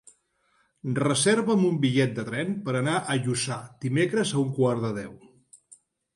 Reserva'm un bitllet de tren per anar a Lluçà dimecres a un quart de deu.